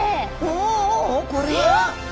おおこれは！